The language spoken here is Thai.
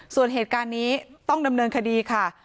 ส่วนเหตุการณ์นี้ต้องดำเนินคดีค่ะ